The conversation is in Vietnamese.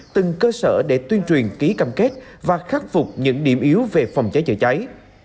từng cơ sở để tuyên truyền ký cam kết và khắc phục những điểm yếu về phòng cháy chữa cháy